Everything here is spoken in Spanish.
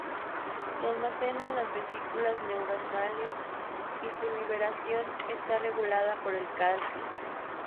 Se almacena en las vesículas neuronales y su liberación está regulada por el calcio.